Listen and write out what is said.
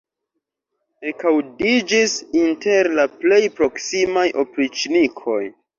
ekaŭdiĝis inter la plej proksimaj opriĉnikoj.